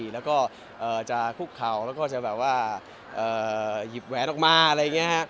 แล้วก็จะคุกเข่าแล้วก็จะแบบว่าหยิบแหวนออกมาอะไรอย่างนี้ครับ